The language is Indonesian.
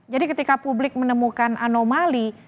jadi ketika publik menemukan anomali